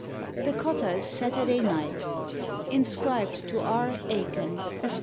THE COTTKK'S SATURDAY NIGHT. INSCRIBED TO It. AIKKN, ESQ.